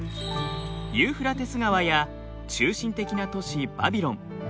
ユーフラテス川や中心的な都市バビロン